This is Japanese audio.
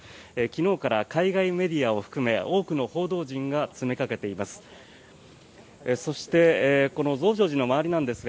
昨日から海外メディアを含め多くの報道陣が詰めかけています。